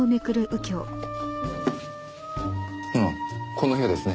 この部屋ですね。